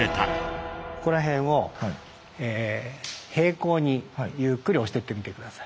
ここら辺を平行にゆっくり押してってみて下さい。